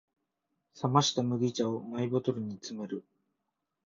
冷ました麦茶をマイボトルに詰める